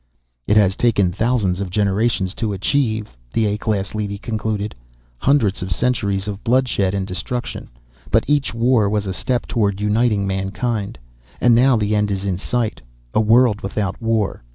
"It has taken thousands of generations to achieve," the A class leady concluded. "Hundreds of centuries of bloodshed and destruction. But each war was a step toward uniting mankind. And now the end is in sight: a world without war.